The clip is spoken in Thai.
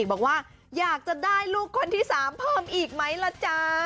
บอกว่าอยากจะได้ลูกผู้คนที่สามเปิดอีกมั้ยล่ะจ้า